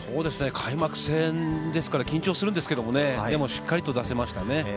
開幕戦ですから緊張するんですけど、しっかりと出せましたね。